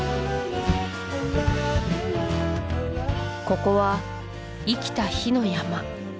ここは生きた火の山